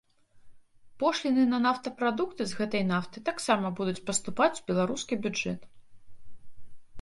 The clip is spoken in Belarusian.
Пошліны на нафтапрадукты з гэтай нафты таксама будуць паступаць у беларускі бюджэт.